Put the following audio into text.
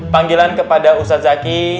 panggilan kepada ustadz zagit